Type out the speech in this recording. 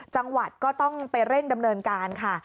จังหวัดก็ต้องไปเร่งดำเนินการค่ะ